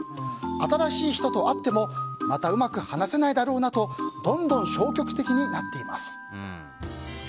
新しい人と会ってもまたうまく話せないだろうなとどんどん消極的になっています。